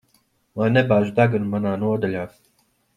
Lai nebāž degunu manā nodaļā.